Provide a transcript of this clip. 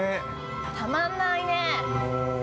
たまんないね。